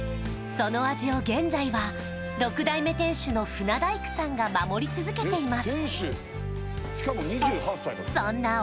その味を現在は６代目店主の舩大工さんが守り続けています